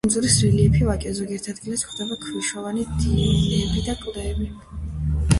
კუნძულის რელიეფი ვაკეა, ზოგიერთ ადგილას გვხვდება ქვიშოვანი დიუნები და კლდეები.